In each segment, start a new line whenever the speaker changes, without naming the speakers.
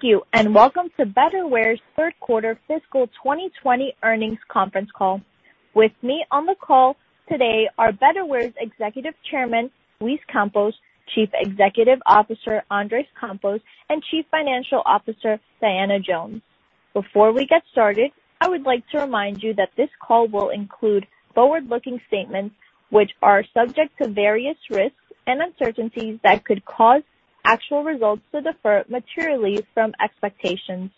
Thank you, and welcome to Betterware's third quarter fiscal 2020 earnings conference call. With me on the call today are Betterware's Executive Chairman, Luis Campos, Chief Executive Officer, Andrés Campos, and Chief Financial Officer, Diana Jones. Before we get started, I would like to remind you that this call will include forward-looking statements which are subject to various risks and uncertainties that could cause actual results to differ materially from expectations.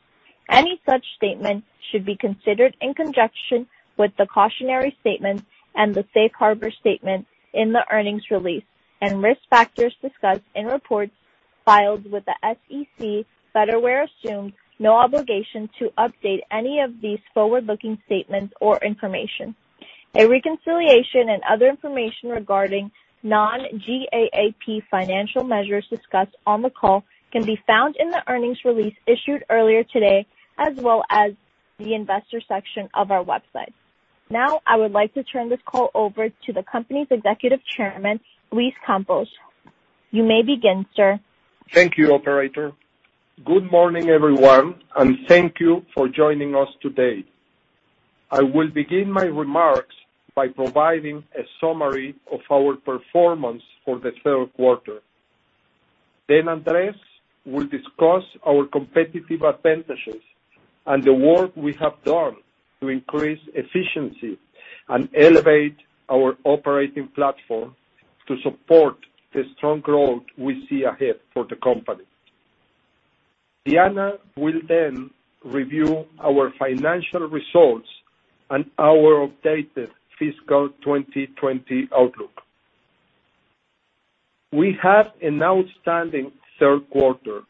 Any such statements should be considered in conjunction with the cautionary statements and the safe harbor statement in the earnings release and risk factors discussed in reports filed with the SEC. Betterware assumes no obligation to update any of these forward-looking statements or information. A reconciliation and other information regarding non-GAAP financial measures discussed on the call can be found in the earnings release issued earlier today, as well as the investor section of our website. Now, I would like to turn this call over to the company's Executive Chairman, Luis Campos. You may begin, sir.
Thank you, operator. Good morning, everyone, and thank you for joining us today. I will begin my remarks by providing a summary of our performance for the third quarter. Andrés will discuss our competitive advantages and the work we have done to increase efficiency and elevate our operating platform to support the strong growth we see ahead for the company. Diana will then review our financial results and our updated fiscal 2020 outlook. We had an outstanding third quarter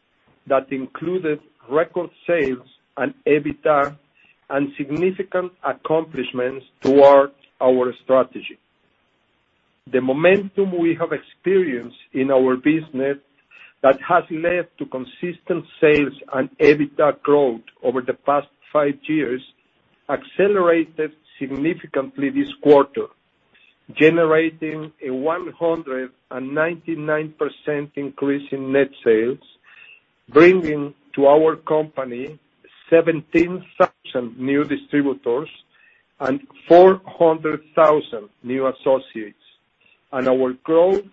that included record sales and EBITDA and significant accomplishments towards our strategy. The momentum we have experienced in our business that has led to consistent sales and EBITDA growth over the past five years accelerated significantly this quarter, generating a 199% increase in net sales, bringing to our company 17,000 new distributors and 400,000 new associates, our growth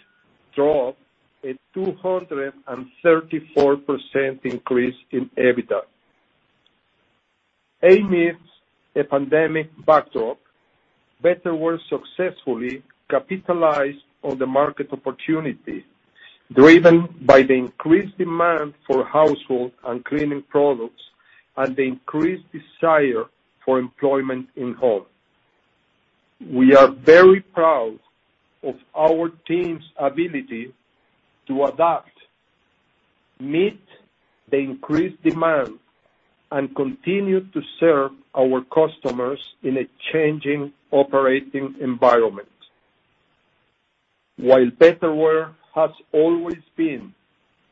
drove a 234% increase in EBITDA. Amidst a pandemic backdrop, Betterware successfully capitalized on the market opportunity, driven by the increased demand for household and cleaning products and the increased desire for employment in-home. We are very proud of our team's ability to adapt, meet the increased demand, and continue to serve our customers in a changing operating environment. While Betterware has always been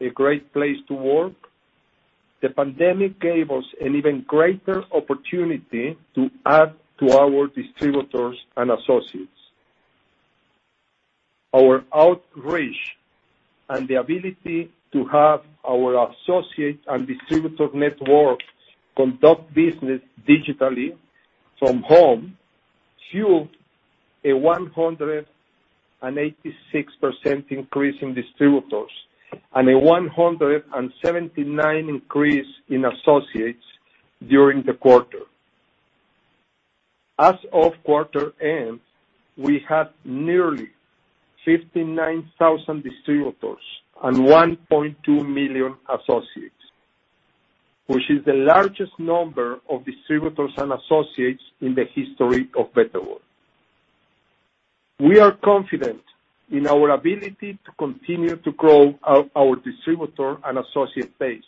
a great place to work, the pandemic gave us an even greater opportunity to add to our distributors and associates. Our outreach and the ability to have our associate and distributor networks conduct business digitally from home fueled a 186% increase in distributors and a 179% increase in associates during the quarter. As of quarter-end, we had nearly 59,000 distributors and 1.2 million associates, which is the largest number of distributors and associates in the history of Betterware. We are confident in our ability to continue to grow our distributor and associate base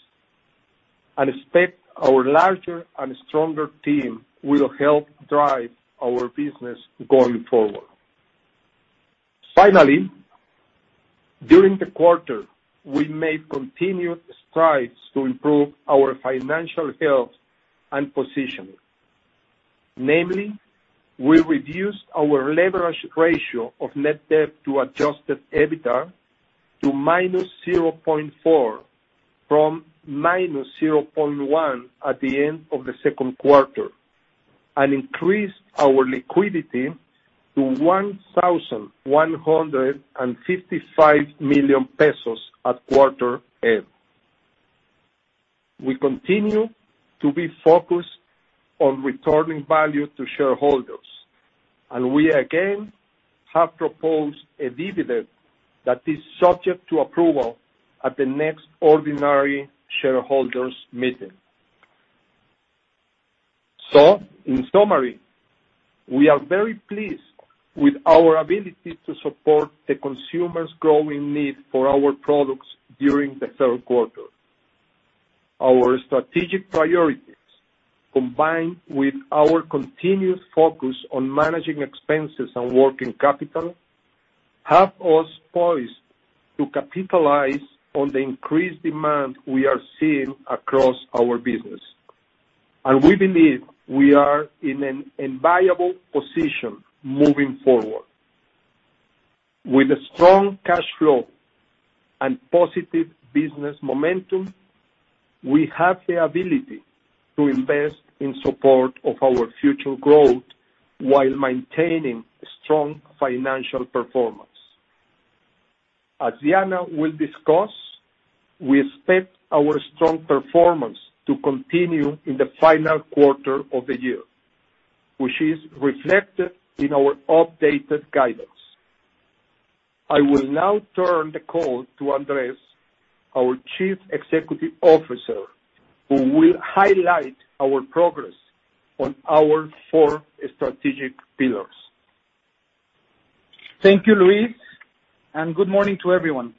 and expect our larger and stronger team will help drive our business going forward. During the quarter, we made continued strides to improve our financial health and positioning. We reduced our leverage ratio of net debt to adjusted EBITDA to -0.4 from -0.1 at the end of the second quarter and increased our liquidity to 1,155 million pesos at quarter end. We continue to be focused on returning value to shareholders, and we again have proposed a dividend that is subject to approval at the next ordinary shareholders meeting. In summary, we are very pleased with our ability to support the consumer's growing need for our products during the third quarter. Our strategic priorities, combined with our continued focus on managing expenses and working capital, have us poised to capitalize on the increased demand we are seeing across our business, and we believe we are in an enviable position moving forward. With a strong cash flow and positive business momentum, we have the ability to invest in support of our future growth while maintaining strong financial performance. As Diana will discuss, we expect our strong performance to continue in the final quarter of the year, which is reflected in our updated guidance. I will now turn the call to Andrés, our Chief Executive Officer, who will highlight our progress on our four strategic pillars.
Thank you, Luis, and good morning to everyone.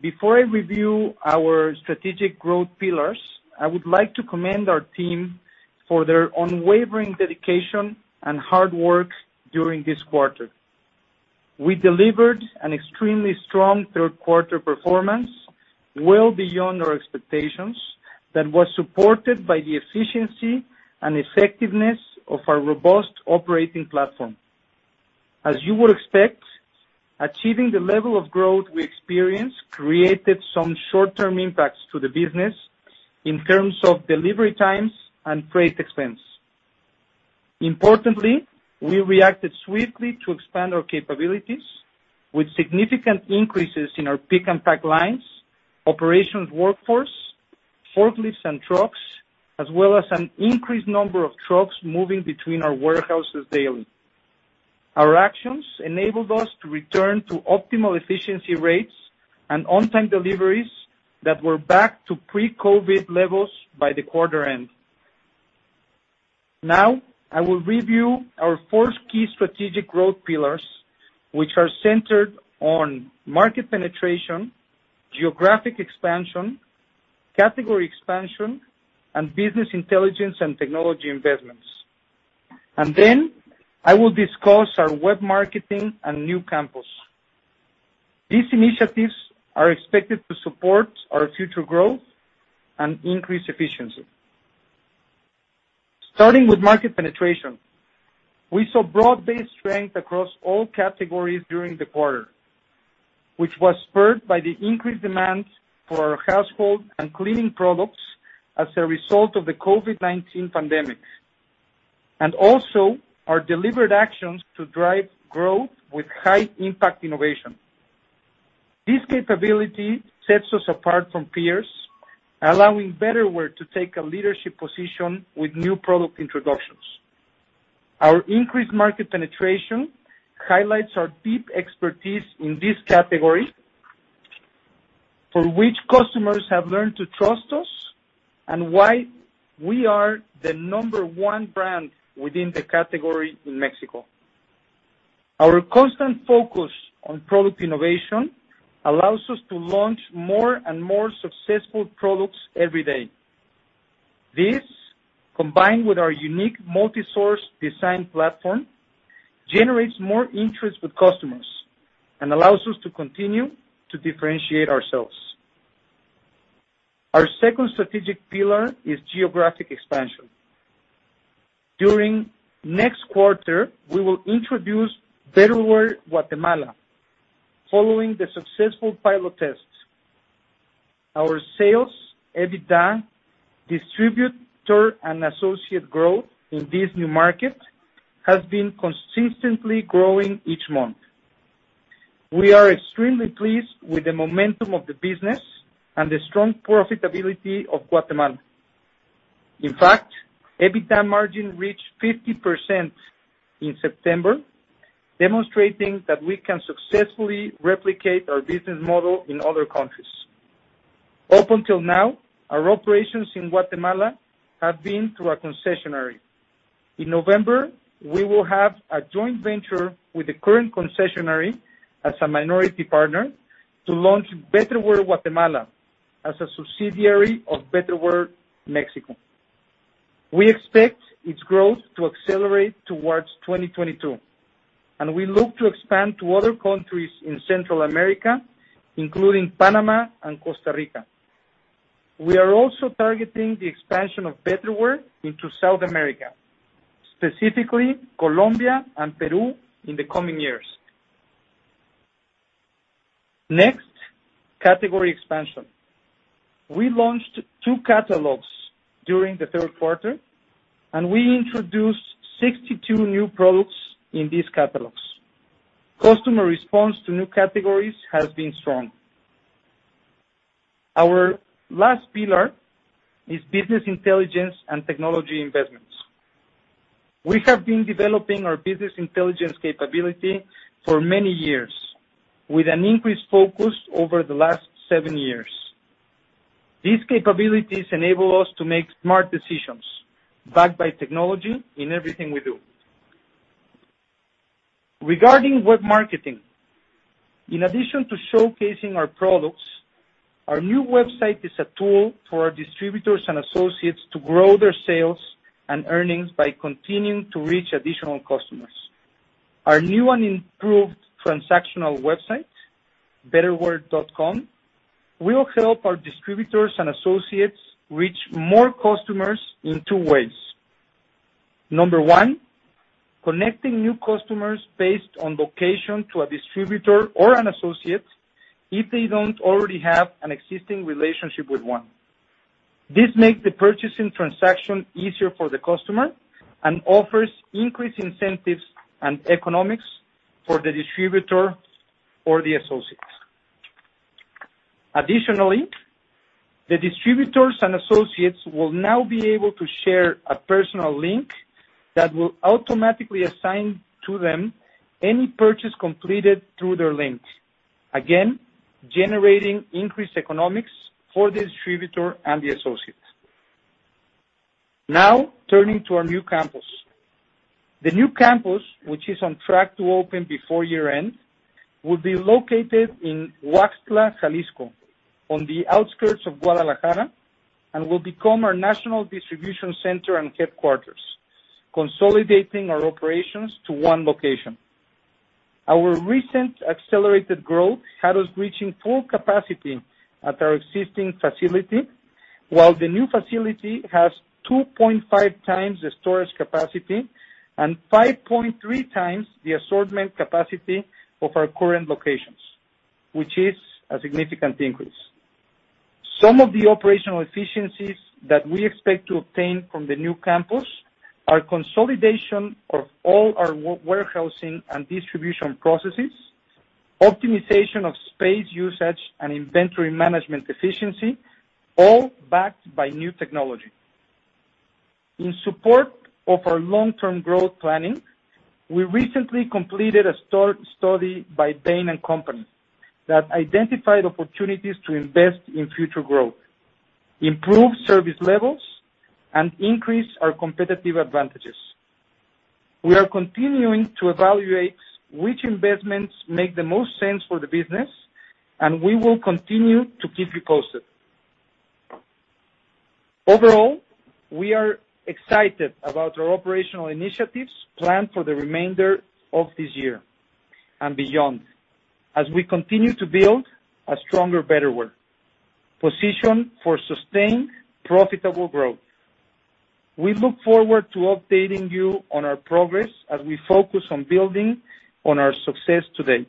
Before I review our strategic growth pillars, I would like to commend our team for their unwavering dedication and hard work during this quarter. We delivered an extremely strong third quarter performance well beyond our expectations that was supported by the efficiency and effectiveness of our robust operating platform. As you would expect, achieving the level of growth we experienced created some short-term impacts to the business in terms of delivery times and freight expense. Importantly, we reacted swiftly to expand our capabilities with significant increases in our pick and pack lines, operations workforce, forklifts and trucks, as well as an increased number of trucks moving between our warehouses daily. Our actions enabled us to return to optimal efficiency rates and on-time deliveries that were back to pre-COVID-19 levels by the quarter end. Now, I will review our four key strategic growth pillars, which are centered on market penetration, geographic expansion, category expansion, and business intelligence and technology investments. I will discuss our web marketing and new campus. These initiatives are expected to support our future growth and increase efficiency. Starting with market penetration, we saw broad-based strength across all categories during the quarter, which was spurred by the increased demand for our household and cleaning products as a result of the COVID-19 pandemic, and also our deliberate actions to drive growth with high-impact innovation. This capability sets us apart from peers, allowing Betterware to take a leadership position with new product introductions. Our increased market penetration highlights our deep expertise in this category, for which customers have learned to trust us and why we are the number one brand within the category in Mexico. Our constant focus on product innovation allows us to launch more and more successful products every day. This, combined with our unique multi-source design platform, generates more interest with customers and allows us to continue to differentiate ourselves. Our second strategic pillar is geographic expansion. During next quarter, we will introduce Betterware Guatemala following the successful pilot tests. Our sales, EBITDA, distributor, and associate growth in this new market has been consistently growing each month. We are extremely pleased with the momentum of the business and the strong profitability of Guatemala. In fact, EBITDA margin reached 50% in September, demonstrating that we can successfully replicate our business model in other countries. Up until now, our operations in Guatemala have been through a concessionary. In November, we will have a joint venture with the current concessionary as a minority partner to launch Betterware Guatemala as a subsidiary of Betterware Mexico. We expect its growth to accelerate towards 2022. We look to expand to other countries in Central America, including Panama and Costa Rica. We are also targeting the expansion of Betterware into South America, specifically Colombia and Peru in the coming years. Next, category expansion. We launched two catalogs during the third quarter. We introduced 62 new products in these catalogs. Customer response to new categories has been strong. Our last pillar is business intelligence and technology investments. We have been developing our business intelligence capability for many years with an increased focus over the last seven years. These capabilities enable us to make smart decisions backed by technology in everything we do. Regarding web marketing, in addition to showcasing our products, our new website is a tool for our distributors and associates to grow their sales and earnings by continuing to reach additional customers. Our new and improved transactional website, betterware.com.mx, will help our distributors and associates reach more customers in two ways. Number one, connecting new customers based on location to a distributor or an associate if they don't already have an existing relationship with one. This makes the purchasing transaction easier for the customer and offers increased incentives and economics for the distributor or the associates. Additionally, the distributors and associates will now be able to share a personal link that will automatically assign to them any purchase completed through their link, again, generating increased economics for the distributor and the associates. Now turning to our new campus. The new campus, which is on track to open before year-end, will be located in Tlaquepaque, Jalisco, on the outskirts of Guadalajara, and will become our national distribution center and headquarters, consolidating our operations to one location. Our recent accelerated growth had us reaching full capacity at our existing facility, while the new facility has 2.5x the storage capacity and 5.3x the assortment capacity of our current locations, which is a significant increase. Some of the operational efficiencies that we expect to obtain from the new campus are consolidation of all our warehousing and distribution processes, optimization of space usage, and inventory management efficiency, all backed by new technology. In support of our long-term growth planning, we recently completed a study by Bain & Company that identified opportunities to invest in future growth, improve service levels, and increase our competitive advantages. We are continuing to evaluate which investments make the most sense for the business, and we will continue to keep you posted. Overall, we are excited about our operational initiatives planned for the remainder of this year and beyond as we continue to build a stronger Betterware, positioned for sustained profitable growth. We look forward to updating you on our progress as we focus on building on our success to date.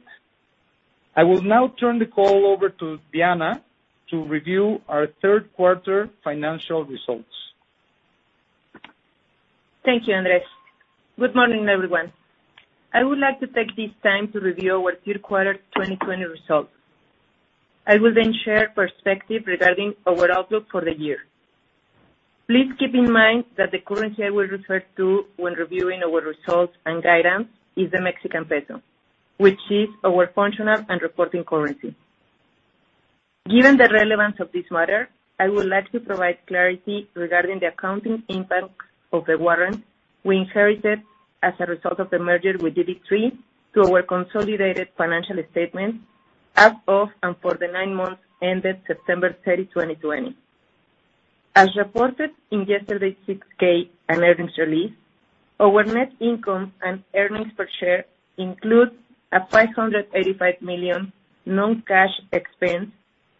I will now turn the call over to Diana to review our third-quarter financial results.
Thank you, Andrés. Good morning, everyone. I would like to take this time to review our third quarter 2020 results. I will then share perspective regarding our outlook for the year. Please keep in mind that the currency I will refer to when reviewing our results and guidance is the Mexican peso, which is our functional and reporting currency. Given the relevance of this matter, I would like to provide clarity regarding the accounting impact of the warrant we inherited as a result of the merger with DD3 to our consolidated financial statements as of and for the nine months ended September 30, 2020. As reported in yesterday's 6-K and earnings release, our net income and earnings per share include a 585 million non-cash expense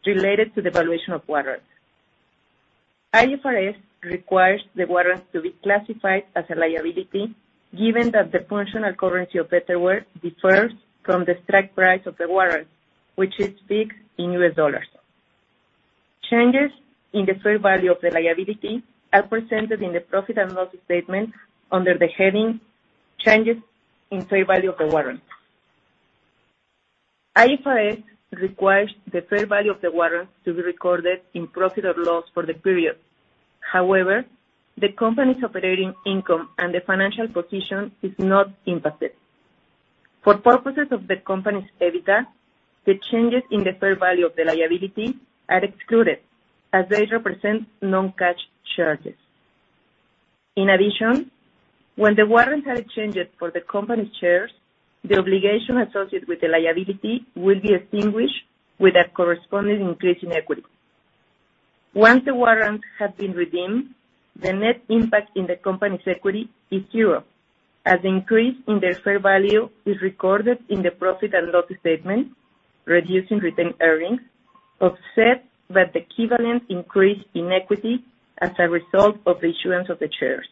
related to the valuation of warrants. IFRS requires the warrants to be classified as a liability given that the functional currency of Betterware differs from the strike price of the warrant, which is fixed in US dollars. Changes in the fair value of the liability are presented in the profit and loss statement under the heading "Changes in fair value of the warrant." IFRS requires the fair value of the warrant to be recorded in profit or loss for the period. However, the company's operating income and the financial position is not impacted. For purposes of the company's EBITDA, the changes in the fair value of the liability are excluded as they represent non-cash charges. In addition, when the warrants are exchanged for the company's shares, the obligation associated with the liability will be extinguished with a corresponding increase in equity. Once the warrants have been redeemed, the net impact in the company's equity is zero, as the increase in their fair value is recorded in the profit and loss statement, reducing retained earnings, offset by the equivalent increase in equity as a result of the issuance of the shares.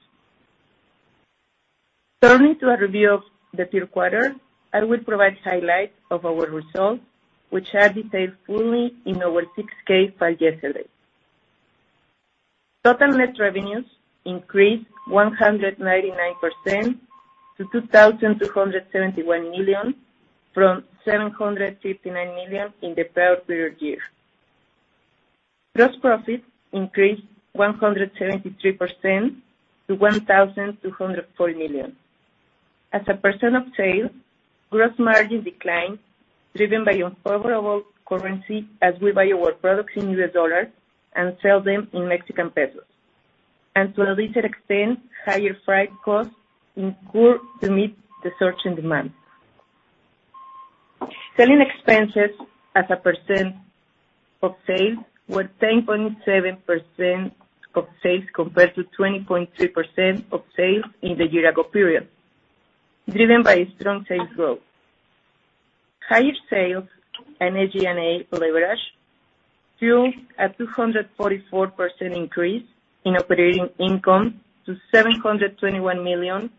Turning to a review of the third quarter, I will provide highlights of our results, which are detailed fully in our 6-K filed yesterday. Total net revenues increased 199% to 2,271 million from 759 million in the prior period year. Gross profit increased 173% to 1,204 million. As a % of sales, gross margin declined, driven by unfavorable currency, as we buy our products in US dollars and sell them in Mexican pesos, and to a lesser extent, higher freight costs incurred to meet the surge in demand. Selling expenses as a percent of sales were 10.7% of sales compared to 20.3% of sales in the year-ago period, driven by strong sales growth. Higher sales and SG&A leverage fueled a 244% increase in operating income to 721 million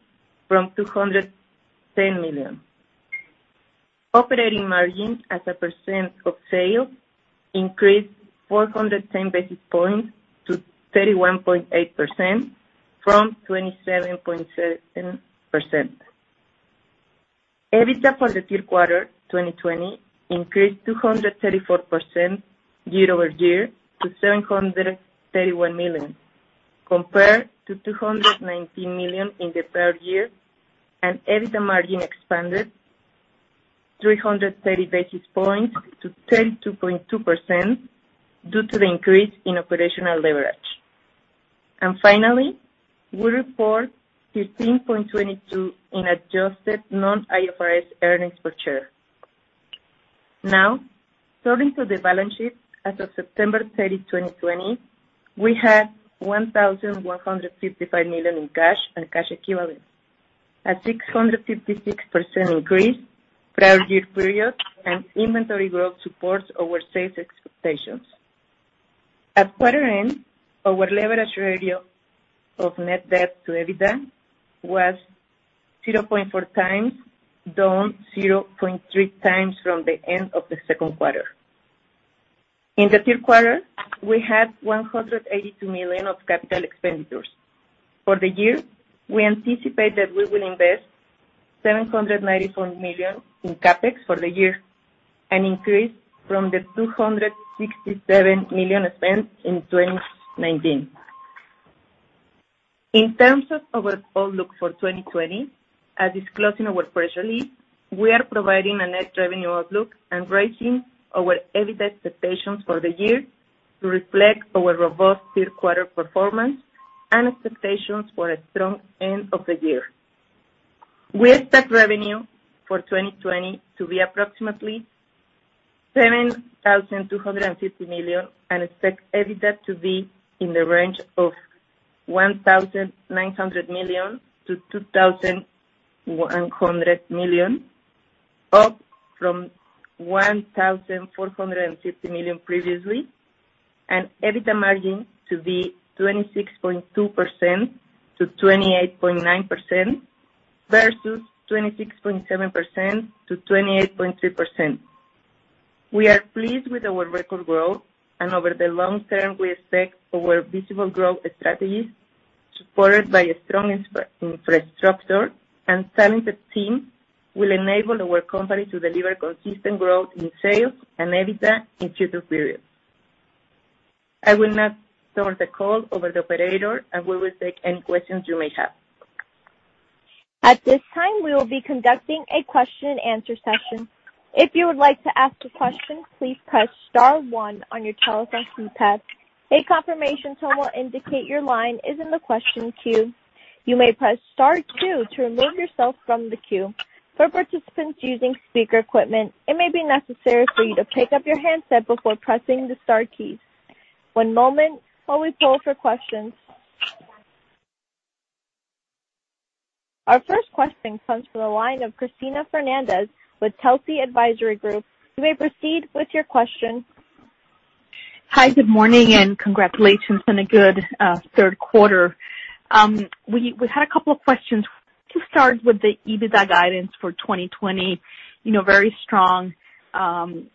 from 210 million. Operating margin as a percent of sales increased 410 basis points to 31.8% from 27.7%. EBITDA for the third quarter 2020 increased 234% year-over-year to 731 million, compared to 219 million in the third year, and EBITDA margin expanded 330 basis points to 32.2% due to the increase in operational leverage. Finally, we report 15.22 in adjusted non-IFRS earnings per share. Now, turning to the balance sheet. As of September 30, 2020, we had 1,155 million in cash and cash equivalents, a 656% increase prior-year period, and inventory growth supports our sales expectations. At quarter end, our leverage ratio of net debt to EBITDA was 0.4x down 0.3x from the end of the second quarter. In the third quarter, we had 182 million of capital expenditures. For the year, we anticipate that we will invest 794 million in CapEx for the year, an increase from the 267 million spent in 2019. In terms of our outlook for 2020, as disclosed in our press release, we are providing a net revenue outlook and raising our EBITDA expectations for the year to reflect our robust third quarter performance and expectations for a strong end of the year. We expect revenue for 2020 to be approximately 7,250 million and expect EBITDA to be in the range of 1,900 million-2,100 million, up from 1,450 million previously, and EBITDA margin to be 26.2%-28.9% versus 26.7%-28.3%. We are pleased with our record growth, and over the long term, we expect our visible growth strategies, supported by a strong infrastructure and talented team, will enable our company to deliver consistent growth in sales and EBITDA in future periods. I will now turn the call over to the operator, and we will take any questions you may have.
Our first question comes from the line of Cristina Fernández with Telsey Advisory Group. You may proceed with your question.
Hi, good morning, and congratulations on a good third quarter. We had a couple of questions. To start with the EBITDA guidance for 2020, very strong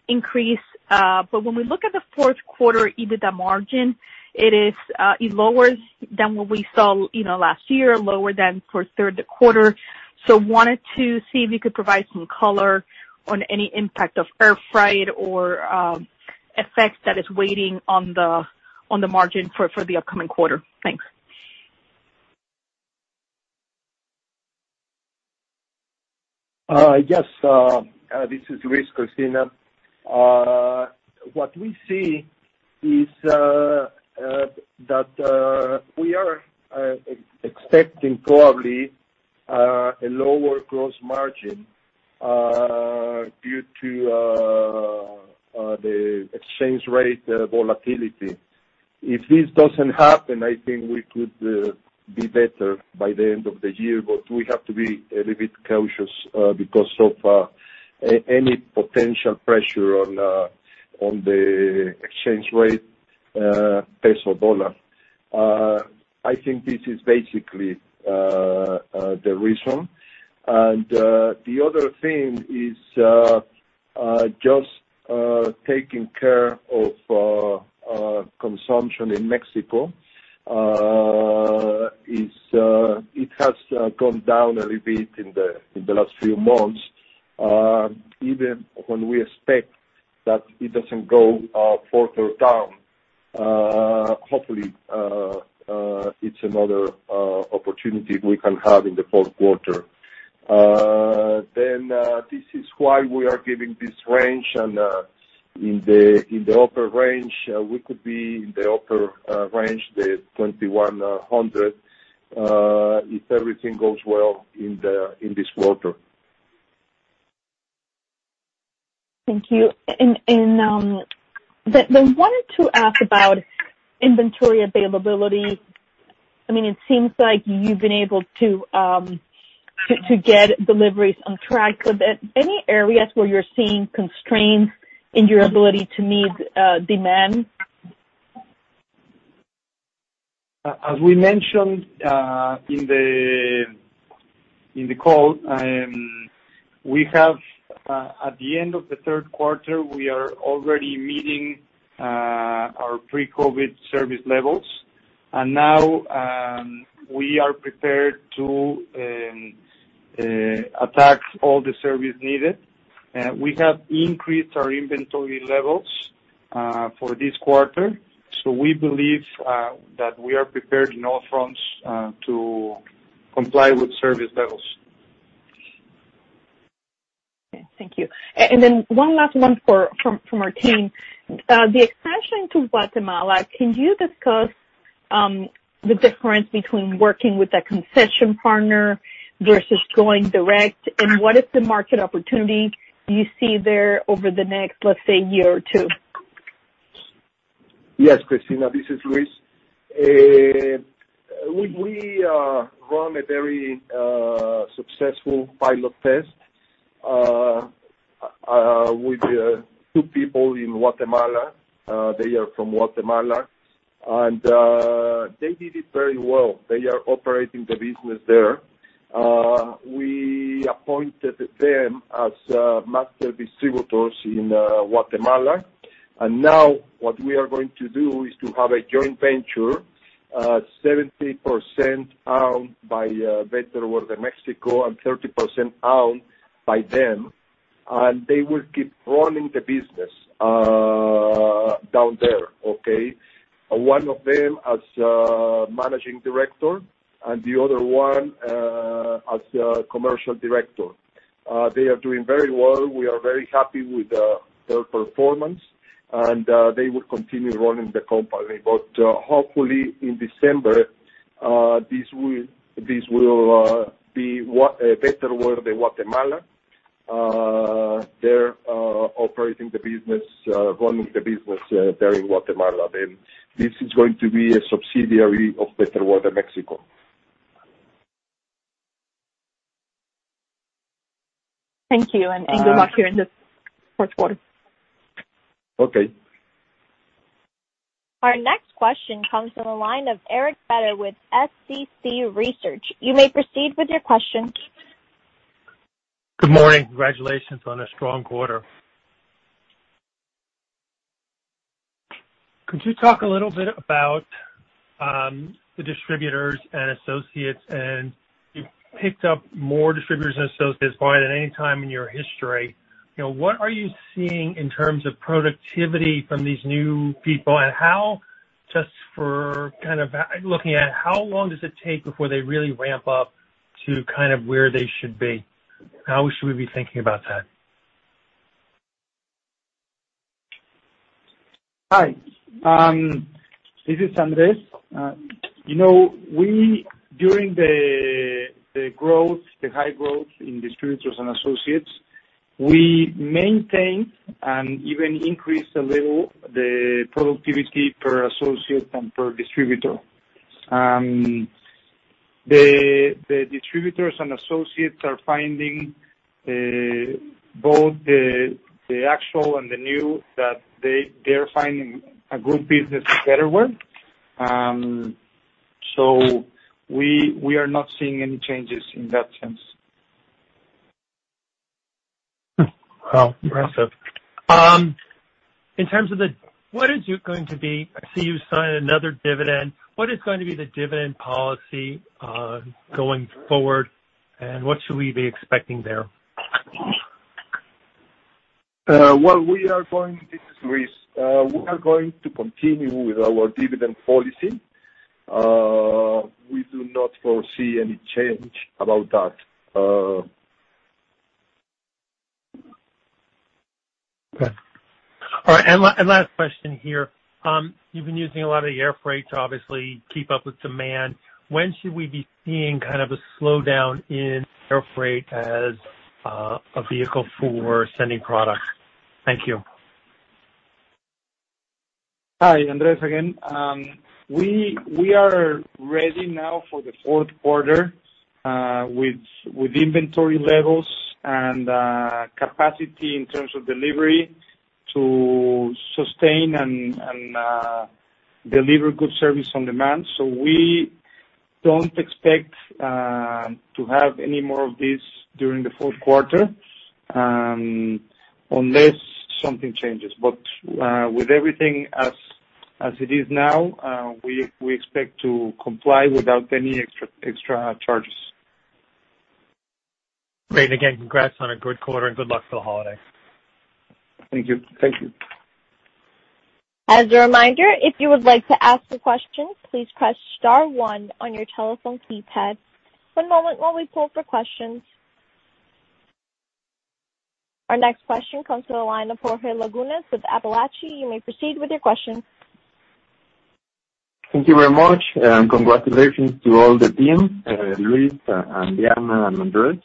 increase. When we look at the fourth quarter EBITDA margin, it is lower than what we saw last year, lower than for third quarter. Wanted to see if you could provide some color on any impact of air freight or effect that is waiting on the margin for the upcoming quarter. Thanks.
Yes. This is Luis, Cristina. What we see is that we are expecting probably a lower gross margin due to the exchange rate volatility. If this doesn't happen, I think we could do better by the end of the year, but we have to be a little bit cautious because of any potential pressure on the exchange rate, peso/dollar. I think this is basically the reason. The other thing is just taking care of consumption in Mexico. It has gone down a little bit in the last few months. Even when we expect that it doesn't go further down, hopefully, it's another opportunity we can have in the fourth quarter. This is why we are giving this range. In the upper range, we could be in the upper range, the 2,100, if everything goes well in this quarter.
Thank you. Wanted to ask about inventory availability. It seems like you've been able to get deliveries on track. Are there any areas where you're seeing constraints in your ability to meet demand?
As we mentioned in the call, at the end of the third quarter, we are already meeting our pre-COVID-19 service levels. Now we are prepared to attack all the service needed. We have increased our inventory levels for this quarter. We believe that we are prepared on all fronts to comply with service levels.
Okay, thank you. One last one from our team. The expansion to Guatemala, can you discuss the difference between working with a concession partner versus going direct? What is the market opportunity you see there over the next, let's say, year or two?
Yes, Cristina. This is Luis. We run a very successful pilot test with two people in Guatemala. They are from Guatemala, they did it very well. They are operating the business there. We appointed them as master distributors in Guatemala, now what we are going to do is to have a joint venture, 70% owned by Betterware de México and 30% owned by them. They will keep running the business down there. Okay? One of them as managing director and the other one as commercial director. They are doing very well. We are very happy with their performance, and they will continue running the company. Hopefully in December, this will be Betterware de Guatemala. They're operating the business there in Guatemala. This is going to be a subsidiary of Betterware Mexico.
Thank you, and good luck here in the fourth quarter.
Okay.
Our next question comes from the line of Eric Beder with SCC Research. You may proceed with your question.
Good morning. Congratulations on a strong quarter. Could you talk a little bit about the distributors and associates? You picked up more distributors and associates by any time in your history. What are you seeing in terms of productivity from these new people, and just for kind of looking at how long does it take before they really ramp up to kind of where they should be? How should we be thinking about that?
Hi, this is Andrés. During the high growth in distributors and associates, we maintained and even increased a little the productivity per associate and per distributor. The distributors and associates are finding, both the actual and the new, that they're finding a good business in Betterware. We are not seeing any changes in that sense.
Wow, impressive. I see you signed another dividend. What is going to be the dividend policy going forward, and what should we be expecting there?
This is Luis. We are going to continue with our dividend policy. We do not foresee any change about that.
Okay. All right, last question here. You've been using a lot of the air freight to obviously keep up with demand. When should we be seeing kind of a slowdown in air freight as a vehicle for sending product? Thank you.
Hi, Andrés again. We are ready now for the fourth quarter with inventory levels and capacity in terms of delivery to sustain and deliver good service on demand. We don't expect to have any more of this during the fourth quarter, unless something changes. With everything as it is now, we expect to comply without any extra charges.
Great. Again, congrats on a good quarter and good luck for the holidays.
Thank you.
As a reminder, if you would like to ask a question, please press star one on your telephone keypad. One moment while we poll for questions. Our next question comes to the line of Jorge Lagunas with Apalache. You may proceed with your question.
Thank you very much, congratulations to all the team, Luis and Diana and Andrés.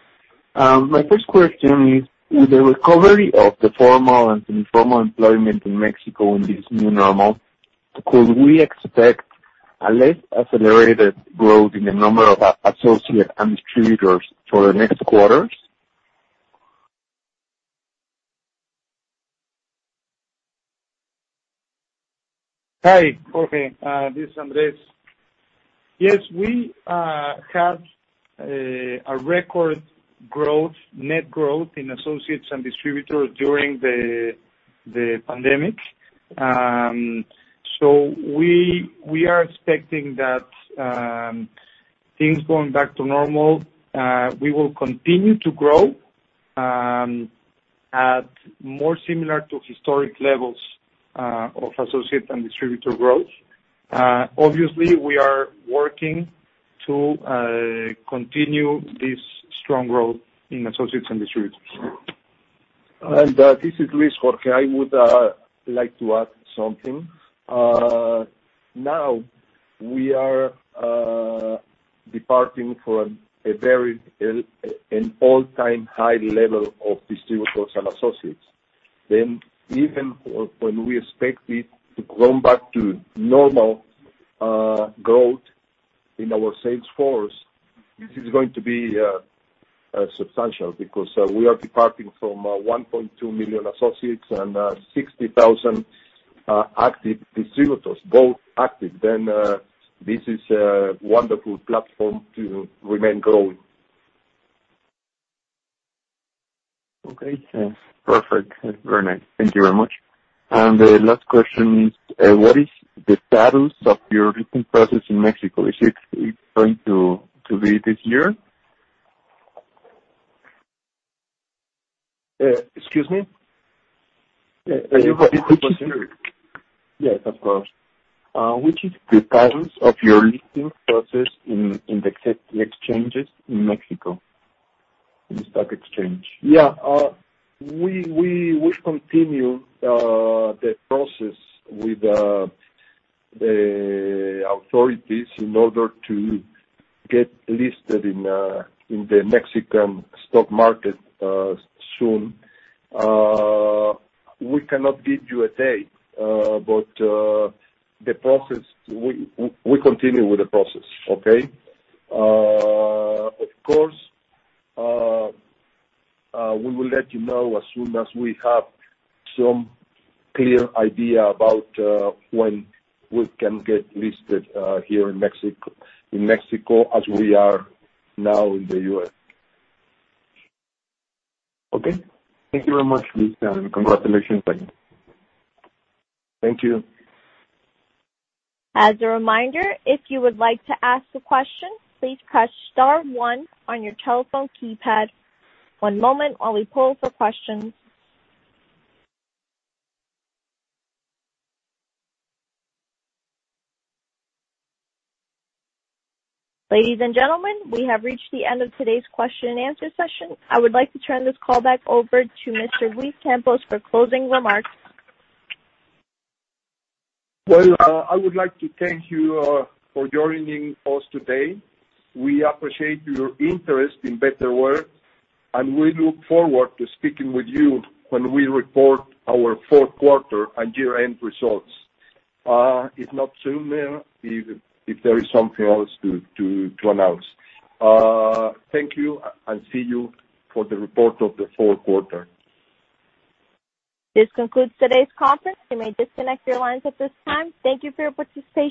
My first question is, with the recovery of the formal and informal employment in Mexico in this new normal, could we expect a less accelerated growth in the number of associates and distributors for the next quarters?
Hi, Jorge. This is Andrés. Yes, we had a record net growth in associates and distributors during the pandemic. We are expecting that things going back to normal, we will continue to grow at more similar to historic levels of associate and distributor growth. Obviously, we are working to continue this strong growth in associates and distributors.
This is Luis, Jorge. I would like to add something. Now, we are departing from an all-time high level of distributors and associates. Even when we expect it to come back to normal growth in our sales force, this is going to be substantial because we are departing from 1.2 million associates and 60,000 active distributors, both active. This is a wonderful platform to remain growing.
Okay. Perfect. Very nice. Thank you very much. The last question is, what is the status of your listing process in Mexico? Is it going to be this year?
Excuse me? Can you repeat the question?
Yes, of course. What is the status of your listing process in the exchanges in Mexico, in the stock exchange?
Yeah. We continue the process with the authorities in order to get listed in the Mexican stock market soon. We cannot give you a date. We continue with the process. Okay? Of course, we will let you know as soon as we have some clear idea about when we can get listed here in Mexico, as we are now in the U.S.
Okay. Thank you very much, Luis, and congratulations again.
Thank you.
As a reminder, if you would like to ask a question, please press star one on your telephone keypad. One moment while we poll for questions. Ladies and gentlemen, we have reached the end of today's question and answer session. I would like to turn this call back over to Mr. Luis Campos for closing remarks.
Well, I would like to thank you for joining us today. We appreciate your interest in Betterware, and we look forward to speaking with you when we report our fourth quarter and year-end results. If not sooner, if there is something else to announce. Thank you, and see you for the report of the fourth quarter.
This concludes today's conference. You may disconnect your lines at this time. Thank you for your participation.